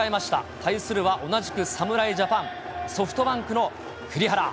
対するは同じく侍ジャパン、ソフトバンクの栗原。